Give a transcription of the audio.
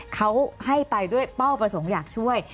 เขาให้ไปด้วยเป้าประสงค์อยากช่วย